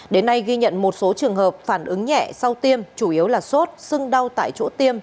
đến nay ghi nhận một số trường hợp phản ứng nhẹ sau tiêm chủ yếu là sốt sưng đau tại chỗ tiêm